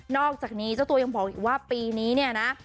อกจากนี้เจ้าตัวยังบอกอีกว่าปีนี้เนี่ยนะ